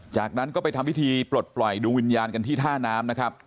จากนั้นก็ไปทำพิธีปลดปล่อยดวงวิญญาณกันที่ท่าน้ำนะครับ